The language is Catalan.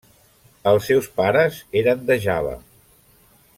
Els seus pares eren de Java.